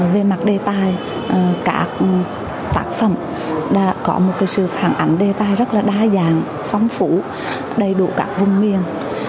về mặt đề tài các tác phẩm đã có một cái sự phản ảnh đề tài rất là đa dạng phóng phủ đầy đủ các vùng miền